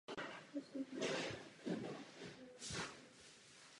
Jednu studii publikoval pod pseudonymem František Jonáš.